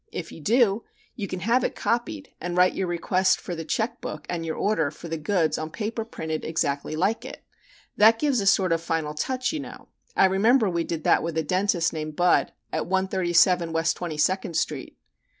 If you do, you can have it copied and write your request for the check book and your order for the goods on paper printed exactly like it. That gives a sort of final touch, you know. I remember we did that with a dentist named Budd, at 137 West Twenty second Street."